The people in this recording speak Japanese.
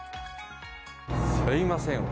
すみません。